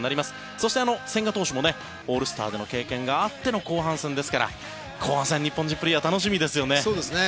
そして、千賀投手もオールスターでの経験があっての後半戦ですから後半戦、日本人プレーヤー楽しみですよね。